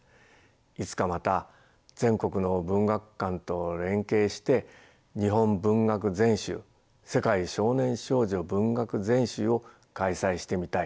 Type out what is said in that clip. いつかまた全国の文学館と連携して「日本文学全集」「世界少年少女文学全集」を開催してみたい。